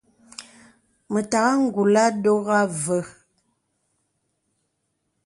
Mə tàgā ngùlà ndɔ̄gà və.